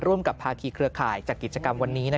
ร่วมกับภาคีเครือข่ายจักรกิจกรรมวันนี้นะ